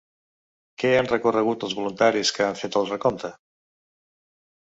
Què han recorregut els voluntaris que han fet el recompte?